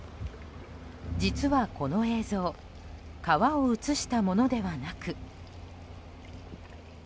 実はこの映像川を映したものではなく。